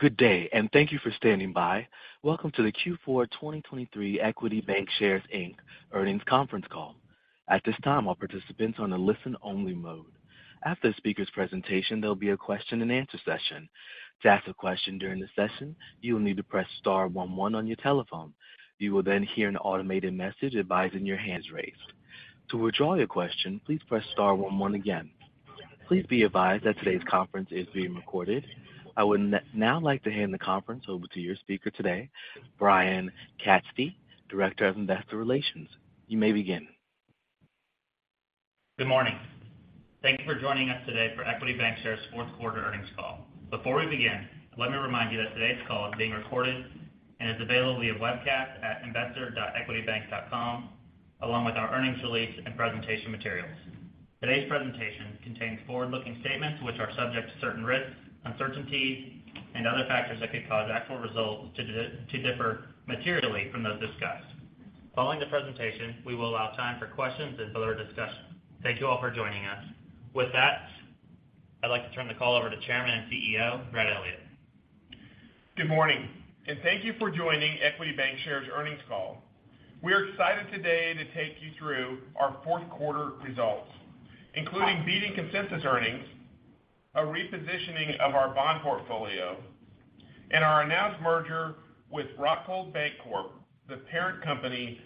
Good day, and thank you for standing by. Welcome to the Q4 2023 Equity Bancshares, Inc., Earnings Conference Call. At this time, all participants are on a listen-only mode. After the speaker's presentation, there'll be a question-and-answer session. To ask a question during the session, you will need to press star one one on your telephone. You will then hear an automated message advising that your hand is raised. To withdraw your question, please press star one one again. Please be advised that today's conference is being recorded. I would now like to hand the conference over to your speaker today, Brian Katzfey, Director of Investor Relations. You may begin. Good morning. Thank you for joining us today for Equity Bancshares' fourth quarter earnings call. Before we begin, let me remind you that today's call is being recorded and is available via webcast at investor.equitybank.com, along with our earnings release and presentation materials. Today's presentation contains forward-looking statements which are subject to certain risks, uncertainties, and other factors that could cause actual results to differ materially from those discussed. Following the presentation, we will allow time for questions and further discussion. Thank you all for joining us. With that, I'd like to turn the call over to Chairman and CEO, Brad Elliott. Good morning, and thank you for joining Equity Bancshares earnings call. We're excited today to take you through our fourth quarter results, including beating consensus earnings, a repositioning of our bond portfolio, and our announced merger with Rockhold Bancorp, the parent company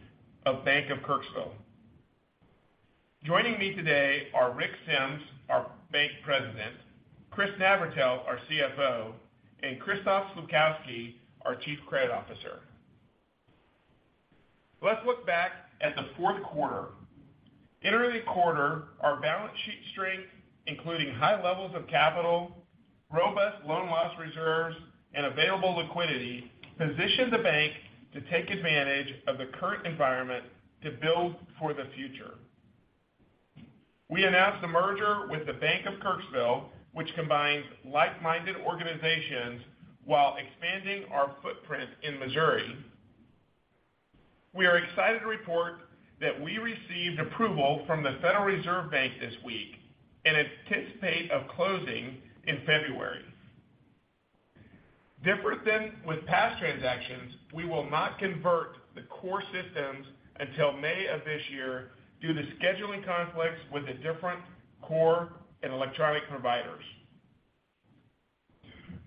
of Bank of Kirksville. Joining me today are Rick Sems, our Bank President, Chris Navratil, our CFO, and Krzysztof Slupkowski, our Chief Credit Officer. Let's look back at the fourth quarter. In early quarter, our balance sheet strength, including high levels of capital, robust loan loss reserves, and available liquidity, positioned the bank to take advantage of the current environment to build for the future. We announced a merger with the Bank of Kirksville, which combines like-minded organizations while expanding our footprint in Missouri. We are excited to report that we received approval from the Federal Reserve Bank this week and anticipate of closing in February. Different than with past transactions, we will not convert the core systems until May of this year due to scheduling conflicts with the different core and electronic providers.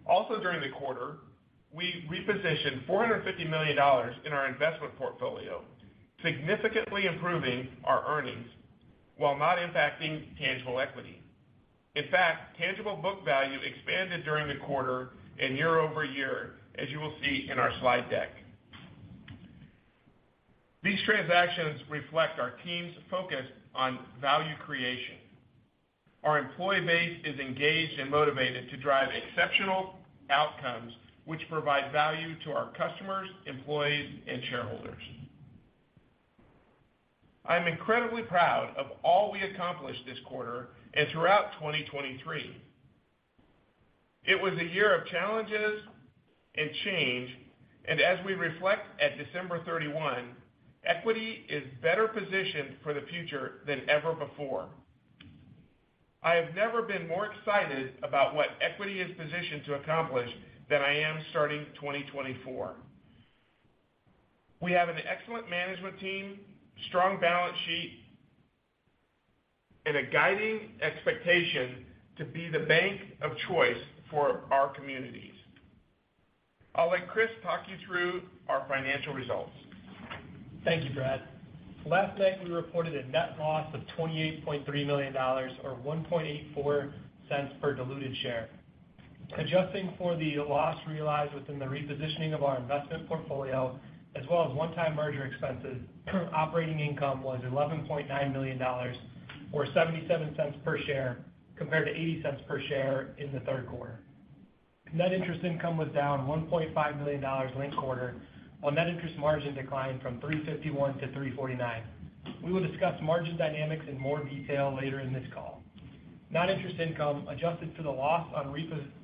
Also, during the quarter, we repositioned $450 million in our investment portfolio, significantly improving our earnings while not impacting tangible equity. In fact, tangible book value expanded during the quarter and year over year, as you will see in our slide deck. These transactions reflect our team's focus on value creation. Our employee base is engaged and motivated to drive exceptional outcomes, which provide value to our customers, employees, and shareholders. I'm incredibly proud of all we accomplished this quarter and throughout 2023. It was a year of challenges and change, and as we reflect at December 31, Equity is better positioned for the future than ever before. I have never been more excited about what Equity is positioned to accomplish than I am starting 2024. We have an excellent management team, strong balance sheet, and a guiding expectation to be the bank of choice for our communities. I'll let Chris talk you through our financial results. Thank you, Brad. Last night, we reported a net loss of $28.3 million or $1.84 per diluted share. Adjusting for the loss realized within the repositioning of our investment portfolio, as well as one-time merger expenses, current operating income was $11.9 million, or $0.77 per share, compared to $0.80 per share in the third quarter. Net interest income was down $1.5 million linked quarter, while net interest margin declined from 3.51% to 3.49%. We will discuss margin dynamics in more detail later in this call. Non-interest income, adjusted for the loss on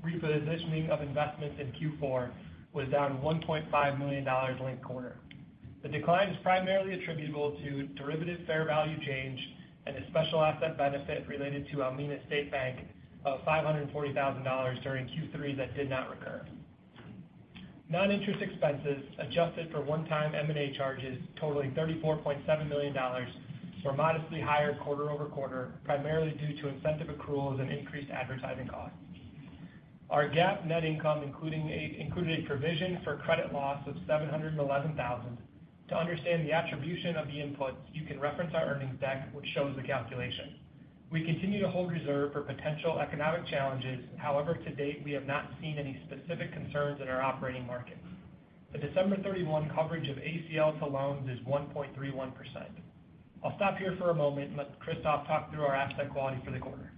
repositioning of investments in Q4, was down $1.5 million linked quarter. The decline is primarily attributable to derivative fair value change and a special asset benefit related to Almena State Bank of $500,000 during Q3 that did not recur. Non-interest expenses, adjusted for one-time M&A charges totaling $34.7 million, were modestly higher quarter-over-quarter, primarily due to incentive accruals and increased advertising costs. Our GAAP net income included a provision for credit loss of $711,000. To understand the attribution of the inputs, you can reference our earnings deck, which shows the calculation. We continue to hold reserve for potential economic challenges. However, to date, we have not seen any specific concerns in our operating markets. The December 31 coverage of ACL to loans is 1.31%. I'll stop here for a moment and let Krzysztof talk through our asset quality for the quarter.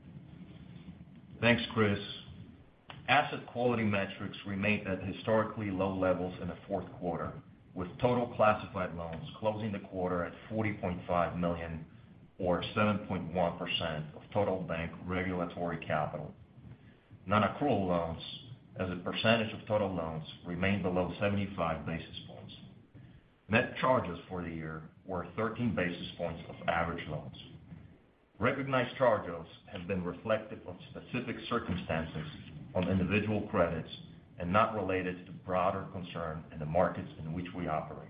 Thanks, Chris. Asset quality metrics remained at historically low levels in the fourth quarter, with total classified loans closing the quarter at $40.5 million or 7.1% of total bank regulatory capital. Non-accrual loans, as a percentage of total loans, remained below 75 basis points. Net charges for the year were 13 basis points of average loans. Recognized charges have been reflective of specific circumstances on individual credits and not related to the broader concern in the markets in which we operate.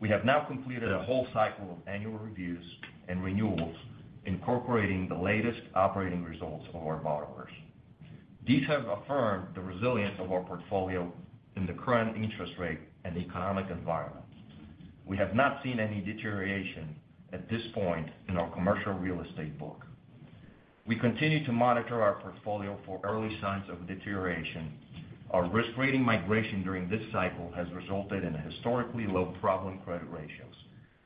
We have now completed a whole cycle of annual reviews and renewals, incorporating the latest operating results of our borrowers. These have affirmed the resilience of our portfolio in the current interest rate and economic environment. We have not seen any deterioration at this point in our commercial real estate book. We continue to monitor our portfolio for early signs of deterioration. Our risk rating migration during this cycle has resulted in historically low problem credit ratios,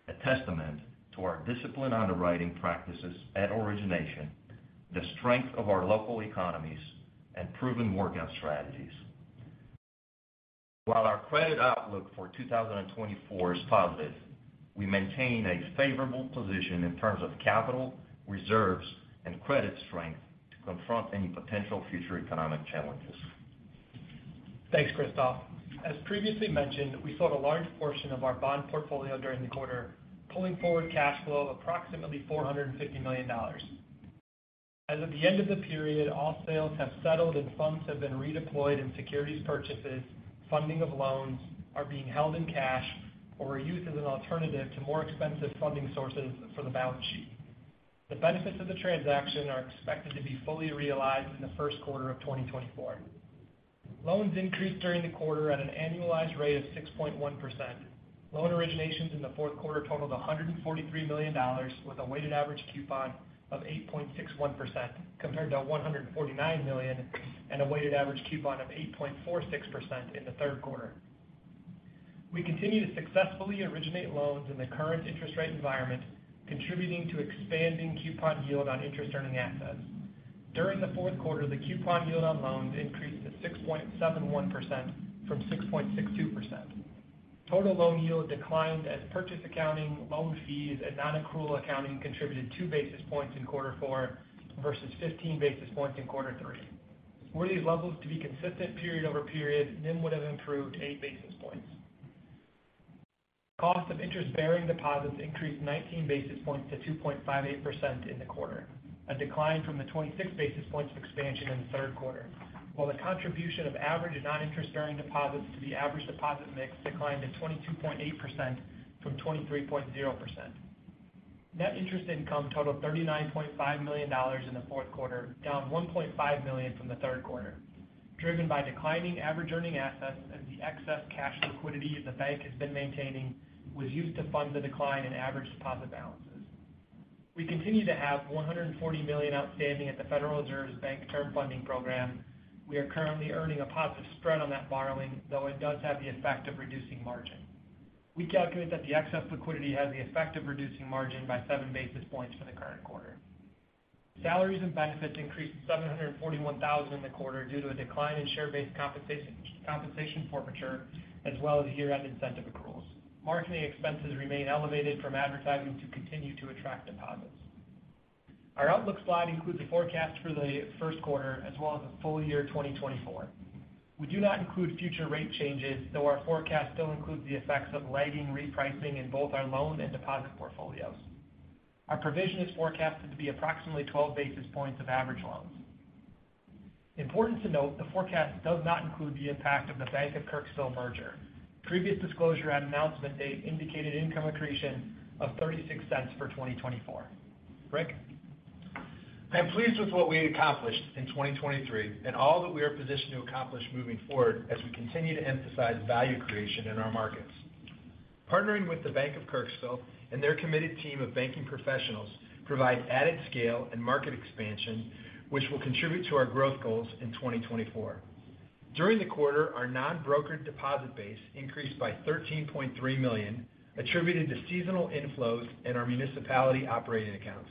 a testament to our disciplined underwriting practices at origination, the strength of our local economies, and proven workout strategies. While our credit outlook for 2024 is positive, we maintain a favorable position in terms of capital, reserves, and credit strength to confront any potential future economic challenges. Thanks, Krzysztof. As previously mentioned, we sold a large portion of our bond portfolio during the quarter, pulling forward cash flow of approximately $450 million. As of the end of the period, all sales have settled, and funds have been redeployed in securities purchases, funding of loans, are being held in cash or are used as an alternative to more expensive funding sources for the balance sheet. The benefits of the transaction are expected to be fully realized in the first quarter of 2024. Loans increased during the quarter at an annualized rate of 6.1%. Loan originations in the fourth quarter totaled $143 million, with a weighted average coupon of 8.61%, compared to $149 million and a weighted average coupon of 8.46% in the third quarter. We continue to successfully originate loans in the current interest rate environment, contributing to expanding coupon yield on interest-earning assets. During the fourth quarter, the coupon yield on loans increased to 6.71% from 6.62%. Total loan yield declined as purchase accounting, loan fees, and non-accrual accounting contributed 2 basis points in quarter four versus 15 basis points in quarter three. Were these levels to be consistent period over period, NIM would have improved 8 basis points. Cost of interest-bearing deposits increased 19 basis points to 2.58% in the quarter, a decline from the 26 basis points expansion in the third quarter, while the contribution of average and non-interest-bearing deposits to the average deposit mix declined to 22.8% from 23.0%. Net interest income totaled $39.5 million in the fourth quarter, down $1.5 million from the third quarter, driven by declining average earning assets as the excess cash liquidity the bank has been maintaining was used to fund the decline in average deposit balances. We continue to have $140 million outstanding at the Federal Reserve's Bank Term Funding Program. We are currently earning a positive spread on that borrowing, though it does have the effect of reducing margin. We calculate that the excess liquidity has the effect of reducing margin by 7 basis points for the current quarter. Salaries and benefits increased to $741,000 in the quarter due to a decline in share-based compensation forfeiture, as well as year-end incentive accruals. Marketing expenses remain elevated from advertising to continue to attract deposits. Our outlook slide includes a forecast for the first quarter as well as the full year 2024. We do not include future rate changes, though our forecast still includes the effects of lagging repricing in both our loan and deposit portfolios. Our provision is forecasted to be approximately 12 basis points of average loans. Important to note, the forecast does not include the impact of the Bank of Kirksville merger. Previous disclosure at announcement date indicated income accretion of $0.36 for 2024. Rick? I'm pleased with what we accomplished in 2023 and all that we are positioned to accomplish moving forward as we continue to emphasize value creation in our markets. Partnering with the Bank of Kirksville and their committed team of banking professionals provide added scale and market expansion, which will contribute to our growth goals in 2024. During the quarter, our non-brokered deposit base increased by $13.3 million, attributed to seasonal inflows in our municipality operating accounts.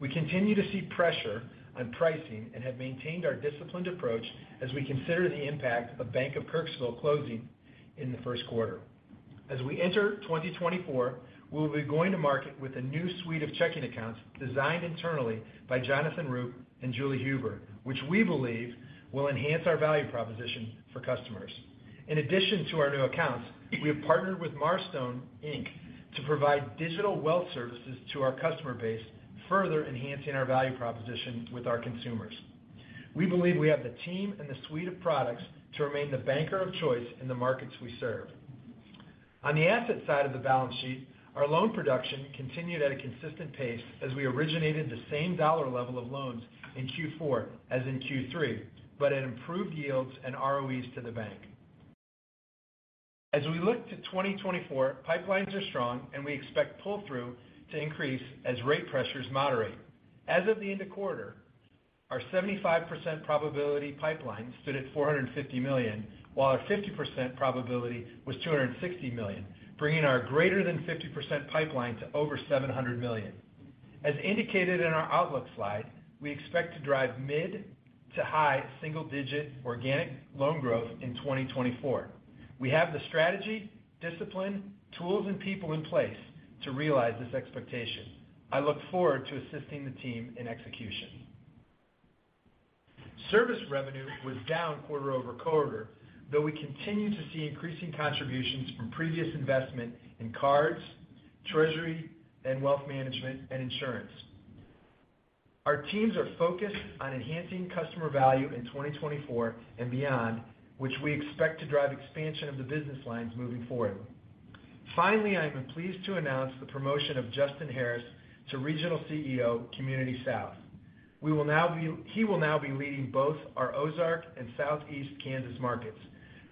We continue to see pressure on pricing and have maintained our disciplined approach as we consider the impact of Bank of Kirksville closing in the first quarter. As we enter 2024, we'll be going to market with a new suite of checking accounts designed internally by Jonathan Roop and Julie Huber, which we believe will enhance our value proposition for customers. In addition to our new accounts, we have partnered with Marstone, Inc., to provide digital wealth services to our customer base, further enhancing our value proposition with our consumers. We believe we have the team and the suite of products to remain the banker of choice in the markets we serve. On the asset side of the balance sheet, our loan production continued at a consistent pace as we originated the same dollar level of loans in Q4 as in Q3, but at improved yields and ROEs to the bank. As we look to 2024, pipelines are strong, and we expect pull-through to increase as rate pressures moderate. As of the end of quarter, our 75% probability pipeline stood at $450 million, while our 50% probability was $260 million, bringing our greater than 50% pipeline to over $700 million. As indicated in our outlook slide, we expect to drive mid to high single-digit organic loan growth in 2024. We have the strategy, discipline, tools, and people in place to realize this expectation. I look forward to assisting the team in execution. Service revenue was down quarter-over-quarter, though we continue to see increasing contributions from previous investment in cards, treasury, and wealth management and insurance. Our teams are focused on enhancing customer value in 2024 and beyond, which we expect to drive expansion of the business lines moving forward. Finally, I'm pleased to announce the promotion of Justin Harris to Regional CEO, Community South. He will now be leading both our Ozark and Southeast Kansas markets.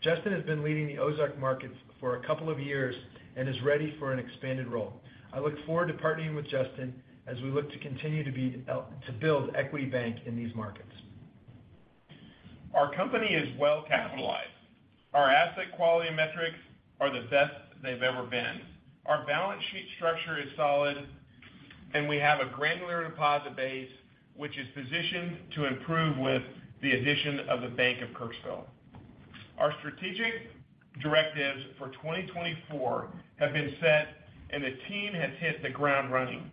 Justin has been leading the Ozark markets for a couple of years and is ready for an expanded role. I look forward to partnering with Justin as we look to continue to be, to build Equity Bank in these markets. Our company is well capitalized. Our asset quality metrics are the best they've ever been. Our balance sheet structure is solid, and we have a granular deposit base, which is positioned to improve with the addition of the Bank of Kirksville. Our strategic directives for 2024 have been set, and the team has hit the ground running.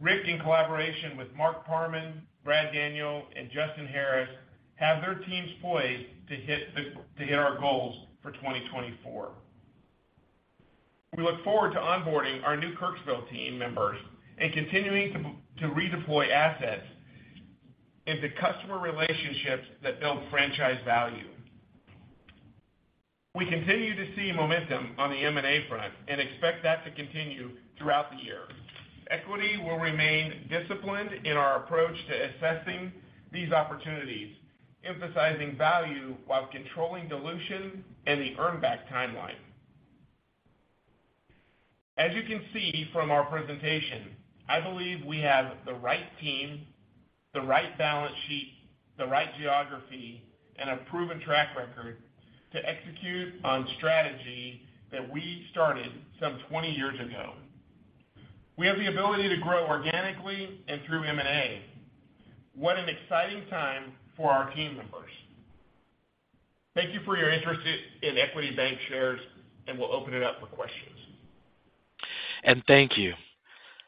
Rick, in collaboration with Mark Parman, Brad Daniel, and Justin Harris, have their teams poised to hit our goals for 2024. We look forward to onboarding our new Kirksville team members and continuing to redeploy assets into customer relationships that build franchise value. We continue to see momentum on the M&A front and expect that to continue throughout the year. Equity will remain disciplined in our approach to assessing these opportunities, emphasizing value while controlling dilution and the earn back timeline. As you can see from our presentation, I believe we have the right team, the right balance sheet, the right geography, and a proven track record to execute on strategy that we started some 20 years ago. We have the ability to grow organically and through M&A. What an exciting time for our team members. Thank you for your interest in, in Equity Bancshares, and we'll open it up for questions. And thank you.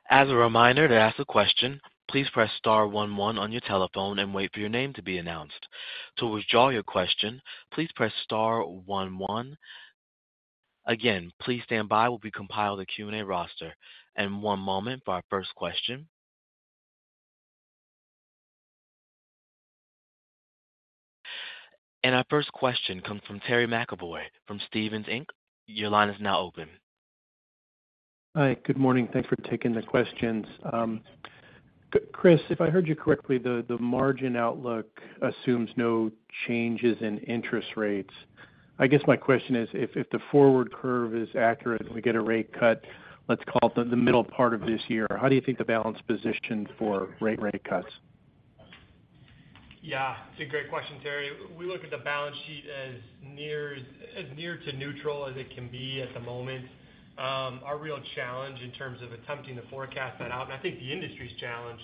As a reminder, to ask a question, please press star one one on your telephone and wait for your name to be announced. To withdraw your question, please press star one one. Again, please stand by, we'll be compiling the Q&A roster. And one moment for our first question. And our first question comes from Terry McEvoy, from Stephens Inc. Your line is now open. Hi, good morning. Thanks for taking the questions. Chris, if I heard you correctly, the margin outlook assumes no changes in interest rates. I guess my question is, if the forward curve is accurate and we get a rate cut, let's call it the middle part of this year, how do you think the balance positioned for rate cuts? Yeah, it's a great question, Terry. We look at the balance sheet as near, as near to neutral as it can be at the moment. Our real challenge in terms of attempting to forecast that out, and I think the industry's challenge,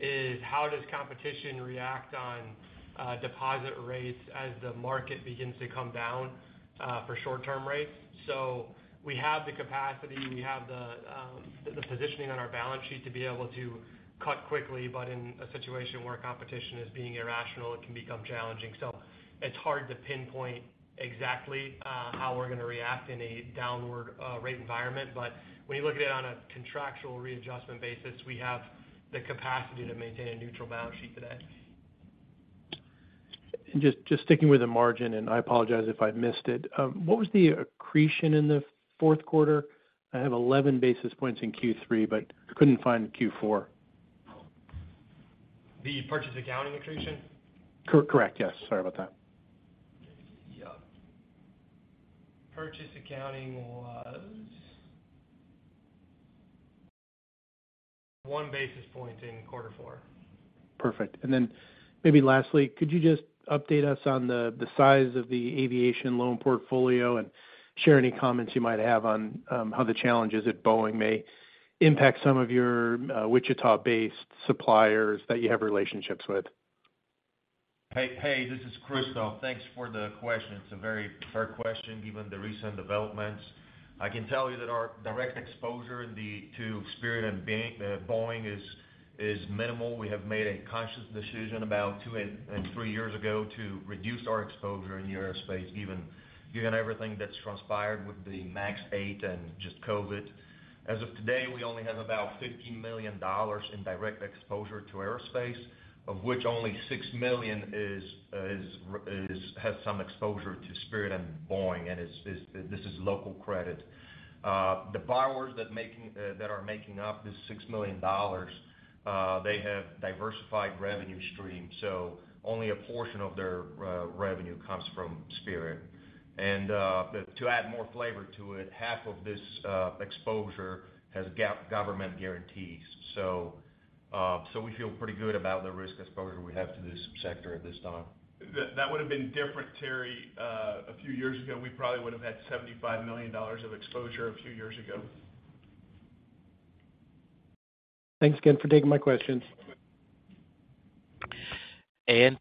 is how does competition react on deposit rates as the market begins to come down for short-term rates? So we have the capacity, we have the positioning on our balance sheet to be able to cut quickly, but in a situation where competition is being irrational, it can become challenging. So it's hard to pinpoint exactly how we're gonna react in a downward rate environment. But when you look at it on a contractual readjustment basis, we have the capacity to maintain a neutral balance sheet today. Just sticking with the margin, and I apologize if I missed it. What was the accretion in the fourth quarter? I have 11 basis points in Q3, but I couldn't find Q4. The purchase accounting accretion? Correct. Yes. Sorry about that. Yeah. Purchase accounting was one basis point in quarter four. Perfect. And then maybe lastly, could you just update us on the size of the aviation loan portfolio and share any comments you might have on how the challenges at Boeing may impact some of your Wichita-based suppliers that you have relationships with? Hey, hey, this is Krzysztof. Thanks for the question. It's a very fair question, given the recent developments. I can tell you that our direct exposure in the, to Spirit and Boeing is minimal. We have made a conscious decision about two and three years ago to reduce our exposure in the aerospace, even given everything that's transpired with the MAX 8 and just COVID. As of today, we only have about $50 million in direct exposure to aerospace, of which only $6 million is, has some exposure to Spirit and Boeing, and is, this is local credit. The borrowers that are making up this $6 million, they have diversified revenue streams, so only a portion of their, revenue comes from Spirit. To add more flavor to it, half of this exposure has government guarantees. So we feel pretty good about the risk exposure we have to this sector at this time. That would have been different, Terry. A few years ago, we probably would have had $75 million of exposure a few years ago. Thanks again for taking my questions.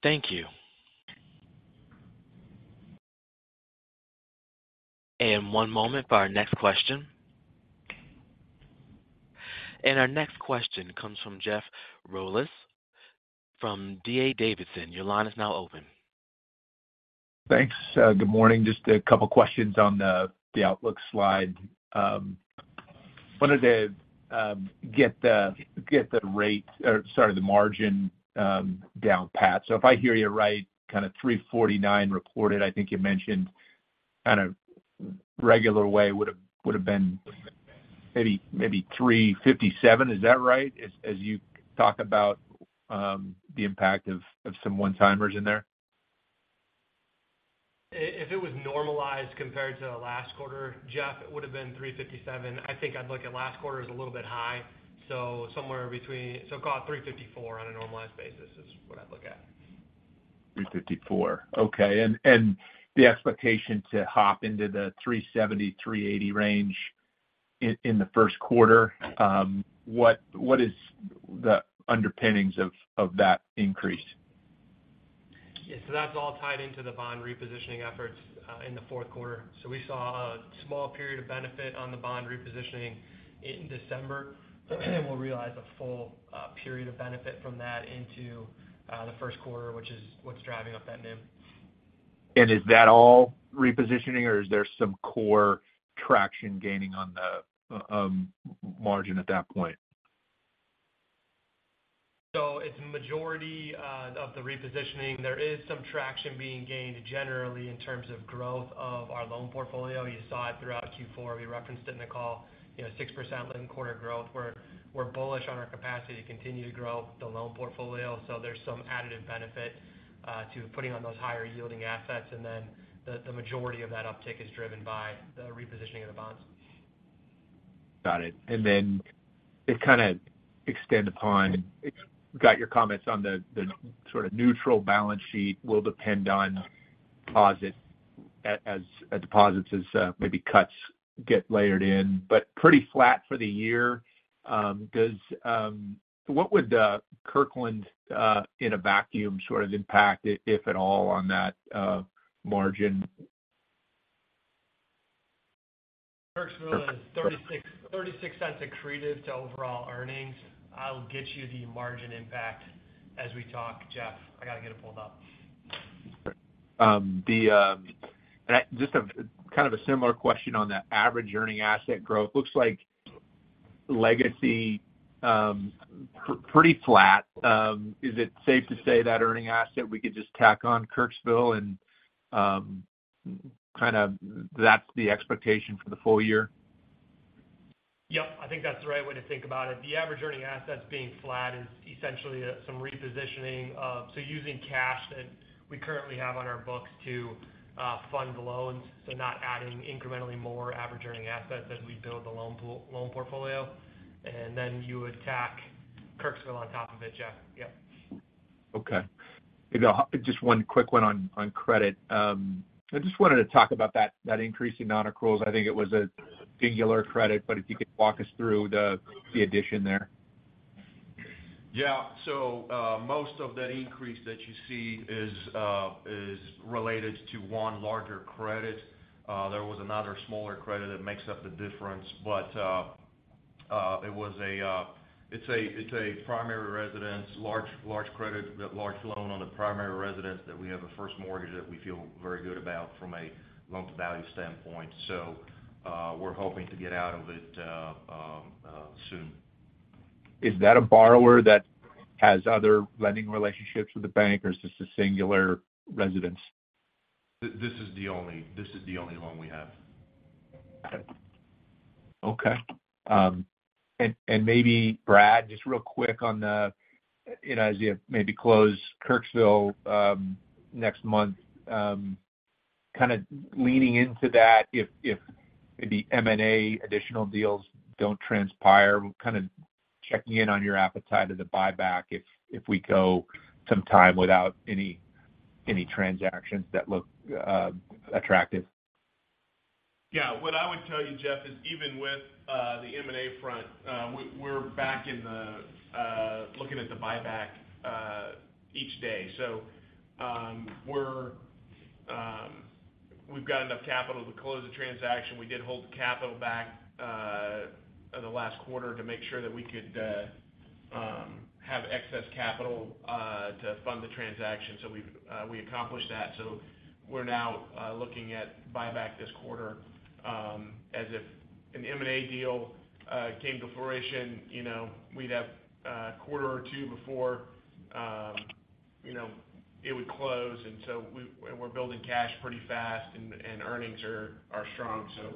Thank you. One moment for our next question. Our next question comes from Jeff Rulis from D.A. Davidson. Your line is now open. Thanks. Good morning. Just a couple questions on the outlook slide. Wanted to get the rate, or sorry, the margin, down pat. So if I hear you right, kind of 3.49 reported, I think you mentioned kind of regular way would have been maybe 3.57. Is that right? As you talk about the impact of some one-timers in there. If it was normalized compared to the last quarter, Jeff, it would have been 357. I think I'd look at last quarter as a little bit high, so somewhere between, so call it 354 on a normalized basis is what I'd look at. 354. Okay. And the expectation to hop into the 370-380 range in the first quarter, what is the underpinnings of that increase? Yeah, so that's all tied into the bond repositioning efforts in the fourth quarter. So we saw a small period of benefit on the bond repositioning in December, and we'll realize a full period of benefit from that into the first quarter, which is what's driving up that NIM. Is that all repositioning, or is there some core traction gaining on the margin at that point? So it's majority of the repositioning. There is some traction being gained generally in terms of growth of our loan portfolio. You saw it throughout Q4. We referenced it in the call, you know, 6% loan quarter growth. We're bullish on our capacity to continue to grow the loan portfolio, so there's some additive benefit to putting on those higher-yielding assets. And then the majority of that uptick is driven by the repositioning of the bonds. Got it. And then to kind of extend upon got your comments on the sort of neutral balance sheet will depend on deposits as deposits maybe cuts get layered in, but pretty flat for the year. Does what would Kirksville in a vacuum sort of impact, if at all, on that margin? Kirksville is $0.36 accretive to overall earnings. I'll get you the margin impact as we talk, Jeff. I got to get it pulled up. Just a kind of a similar question on the average earning asset growth. Looks like legacy pretty flat. Is it safe to say that earning asset, we could just tack on Kirksville and kind of that's the expectation for the full year? Yep. I think that's the right way to think about it. The average earning assets being flat is essentially some repositioning of... so using cash that we currently have on our books to fund the loans, so not adding incrementally more average earning assets as we build the loan portfolio. And then you would tack Kirksville on top of it, Jeff. Yep. Okay. Maybe I'll just one quick one on credit. I just wanted to talk about that increase in nonaccruals. I think it was a singular credit, but if you could walk us through the addition there. Yeah. So, most of that increase that you see is related to one larger credit. There was another smaller credit that makes up the difference, but it's a primary residence, large, large credit, large loan on the primary residence that we have a first mortgage that we feel very good about from a loan-to-value standpoint. So, we're hoping to get out of it soon. Is that a borrower that has other lending relationships with the bank, or is this a singular residence? This is the only, this is the only loan we have. Okay. Okay. And maybe, Brad, just real quick on the, you know, as you maybe close Kirksville next month, kind of leaning into that, if maybe additional M&A deals don't transpire, kind of checking in on your appetite of the buyback if we go some time without any transactions that look attractive. Yeah. What I would tell you, Jeff, is even with the M&A front, we're back to looking at the buyback each day. So, we've got enough capital to close the transaction. We did hold the capital back in the last quarter to make sure that we could have excess capital to fund the transaction. So we've accomplished that. So we're now looking at buyback this quarter. As if an M&A deal came to fruition, you know, we'd have a quarter or two before, you know, it would close, and so we're building cash pretty fast and earnings are strong. So,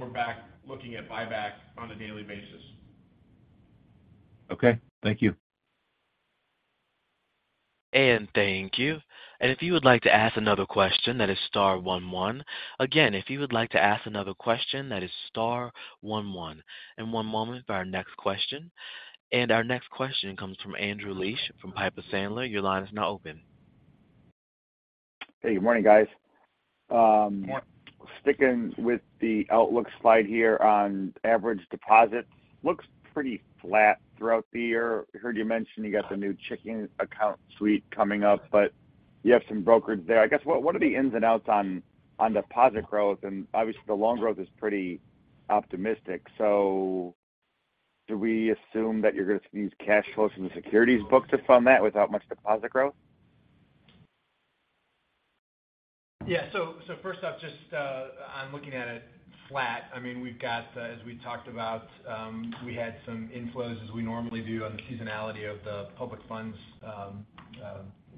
we're back looking at buyback on a daily basis. Okay, thank you. Thank you. If you would like to ask another question, that is star one one. Again, if you would like to ask another question, that is star one one. One moment for our next question. Our next question comes from Andrew Liesch from Piper Sandler. Your line is now open. Hey, good morning, guys. Good morning. Sticking with the outlook slide here on average deposits, looks pretty flat throughout the year. I heard you mention you got the new checking account suite coming up, but you have some brokerage there. I guess, what are the ins and outs on deposit growth? And obviously, the loan growth is pretty optimistic. So, do we assume that you're going to use cash flows from the securities book to fund that without much deposit growth? Yeah. So first off, just, I'm looking at it flat. I mean, we've got, as we talked about, we had some inflows as we normally do on the seasonality of the public funds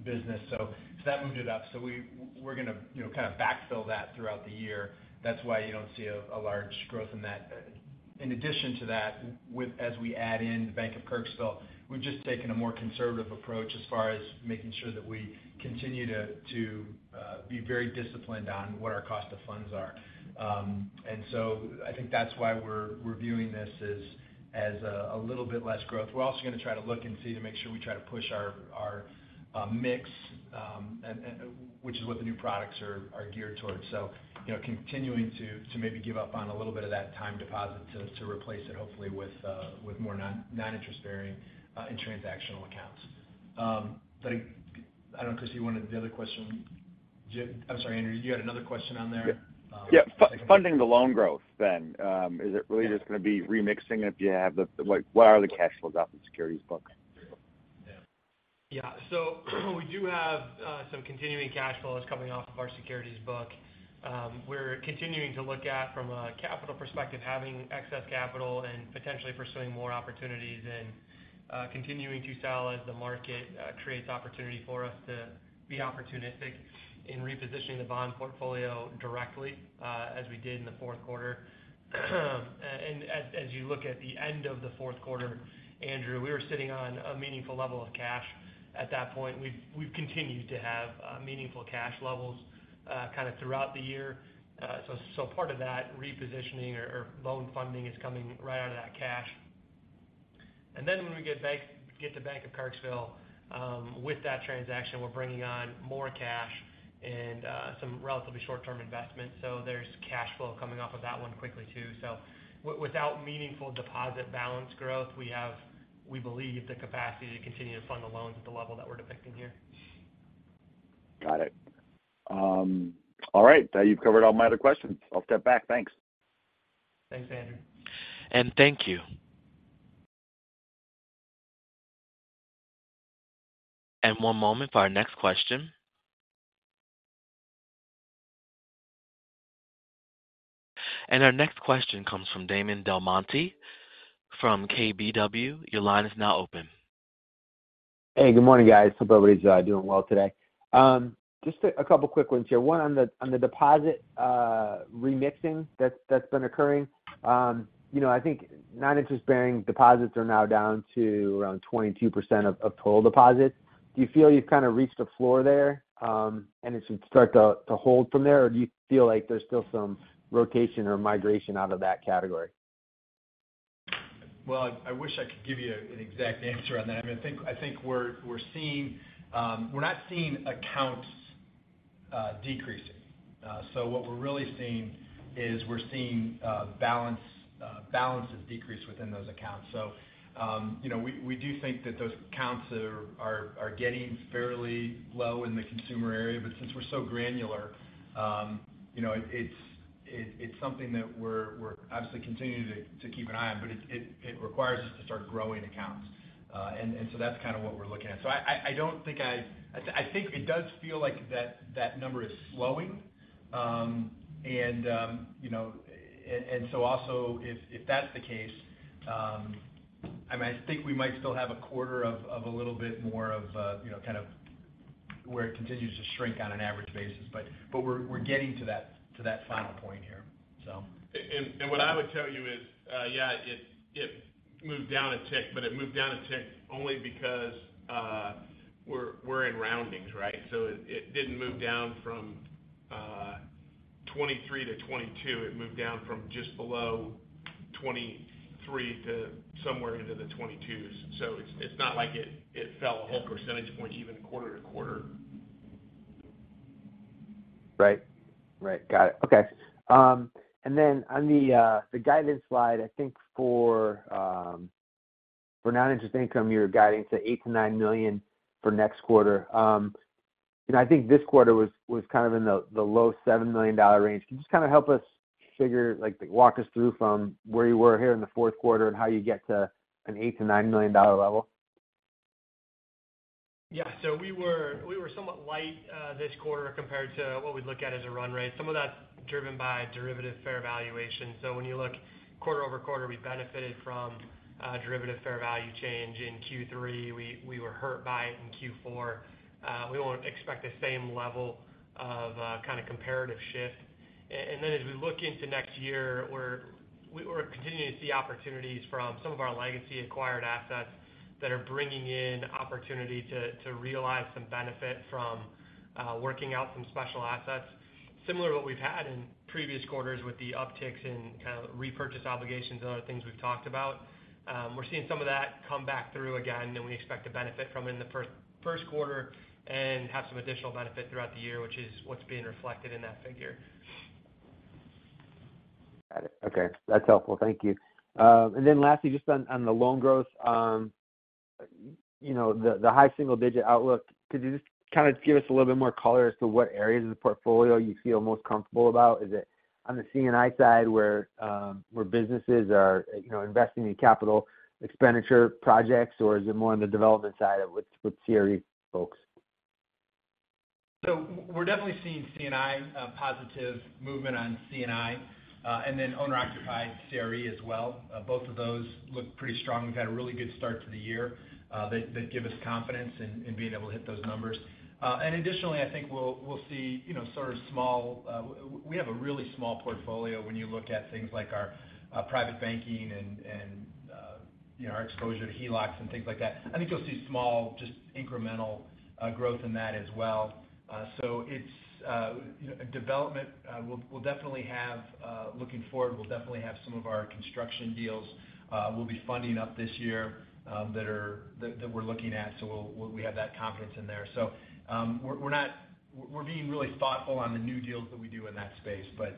business. So that moved it up. So we're going to, you know, kind of backfill that throughout the year. That's why you don't see a large growth in that. In addition to that, with as we add in the Bank of Kirksville, we've just taken a more conservative approach as far as making sure that we continue to be very disciplined on what our cost of funds are. And so I think that's why we're viewing this as a little bit less growth. We're also going to try to look and see to make sure we try to push our mix, and which is what the new products are geared towards. So, you know, continuing to maybe give up on a little bit of that time deposit to replace it, hopefully with more non-interest bearing and transactional accounts. But I don't know, because you wanted the other question. Jim—I'm sorry, Andrew, you had another question on there? Yeah. Funding the loan growth then, is it really just going to be remixing if you have the, like, what are the cash flows off the securities book? Yeah. So we do have some continuing cash flows coming off of our securities book. We're continuing to look at from a capital perspective, having excess capital and potentially pursuing more opportunities and continuing to sell as the market creates opportunity for us to be opportunistic in repositioning the bond portfolio directly, as we did in the fourth quarter. And as you look at the end of the fourth quarter, Andrew, we were sitting on a meaningful level of cash. At that point, we've continued to have meaningful cash levels kind of throughout the year. So part of that repositioning or loan funding is coming right out of that cash. And then when we get to Bank of Kirksville, with that transaction, we're bringing on more cash and some relatively short-term investments. So there's cash flow coming off of that one quickly, too. So without meaningful deposit balance growth, we have, we believe, the capacity to continue to fund the loans at the level that we're depicting here. Got it. All right, now you've covered all my other questions. I'll step back. Thanks. Thanks, Andrew. Thank you. One moment for our next question. Our next question comes from Damon DelMonte, from KBW. Your line is now open. Hey, good morning, guys. Hope everybody's doing well today. Just a couple quick ones here. One, on the deposit remixing that's been occurring. You know, I think non-interest-bearing deposits are now down to around 22% of total deposits. Do you feel you've kind of reached a floor there, and it should start to hold from there? Or do you feel like there's still some rotation or migration out of that category? Well, I wish I could give you an exact answer on that. I mean, I think we're seeing, we're not seeing accounts decreasing. So what we're really seeing is we're seeing balances decrease within those accounts. So, you know, we do think that those accounts are getting fairly low in the consumer area, but since we're so granular, you know, it's something that we're obviously continuing to keep an eye on, but it requires us to start growing accounts. And so that's kind of what we're looking at. So I don't think I-- I think it does feel like that number is slowing. You know, and so also, if that's the case, I mean, I think we might still have a quarter of a little bit more of, you know, kind of where it continues to shrink on an average basis. But we're getting to that final point here, so. And what I would tell you is, yeah, it moved down a tick, but it moved down a tick only because we're in roundings, right? So it didn't move down from 23 to 22. It moved down from just below 23 to somewhere into the 22s. So it's not like it fell a whole percentage point, even quarter to quarter. Right. Right. Got it. Okay, and then on the guidance slide, I think for non-interest income, you're guiding to $8 million-$9 million for next quarter. And I think this quarter was kind of in the low $7 million range. Can you just kind of help us figure, like, walk us through from where you were here in the fourth quarter and how you get to an $8 million-$9 million level? Yeah, so we were somewhat light this quarter compared to what we'd look at as a run rate. Some of that's driven by derivative fair valuation. So when you look quarter-over-quarter, we benefited from derivative fair value change. In Q3, we were hurt by it in Q4. We won't expect the same level of kind of comparative shift. And then as we look into next year, we're continuing to see opportunities from some of our legacy acquired assets that are bringing in opportunity to realize some benefit from working out some special assets. Similar to what we've had in previous quarters with the upticks in kind of repurchase obligations and other things we've talked about.. We're seeing some of that come back through again, and we expect to benefit from in the first quarter and have some additional benefit throughout the year, which is what's being reflected in that figure. Got it. Okay. That's helpful. Thank you. And then lastly, just on the loan growth. You know, the high single-digit outlook, could you just kind of give us a little bit more color as to what areas of the portfolio you feel most comfortable about? Is it on the C&I side, where businesses are, you know, investing in capital expenditure projects, or is it more on the development side with CRE folks? So we're definitely seeing C&I, positive movement on C&I, and then owner-occupied CRE as well. Both of those look pretty strong. We've had a really good start to the year, that, that give us confidence in, in being able to hit those numbers. And additionally, I think we'll, we'll see, you know, sort of small... We, we have a really small portfolio when you look at things like our, private banking and, and, you know, our exposure to HELOCs and things like that. I think you'll see small, just incremental, growth in that as well. So it's, you know, development, we'll, we'll definitely have, looking forward, we'll definitely have some of our construction deals, we'll be funding up this year, that are - that, that we're looking at, so we'll, we have that confidence in there. So, we're not-- we're being really thoughtful on the new deals that we do in that space, but,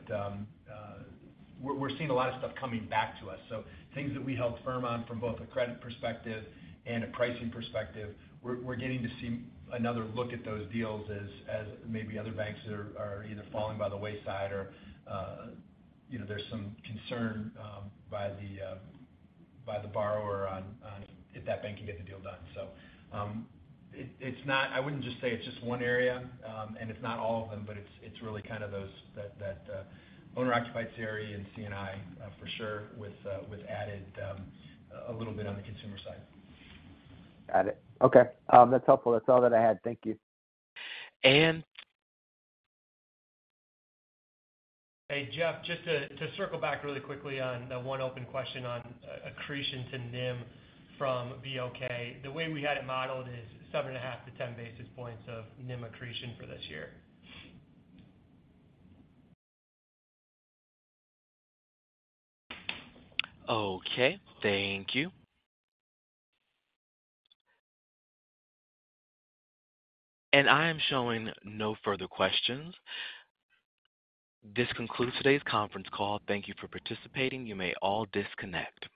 we're seeing a lot of stuff coming back to us. So things that we held firm on from both a credit perspective and a pricing perspective, we're getting to see another look at those deals as maybe other banks are either falling by the wayside or, you know, there's some concern by the borrower on if that bank can get the deal done. So, it's not-- I wouldn't just say it's just one area, and it's not all of them, but it's really kind of those that owner-occupied CRE and C&I, for sure, with added a little bit on the consumer side. Got it. Okay, that's helpful. That's all that I had. Thank you. Hey, Jeff, just to circle back really quickly on the one open question on accretion to NIM from BOK. The way we had it modeled is 7.5-10 basis points of NIM accretion for this year. Okay, thank you. I am showing no further questions. This concludes today's conference call. Thank you for participating. You may all disconnect.